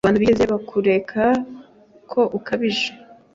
Abantu bigeze bakurega ko ukabije?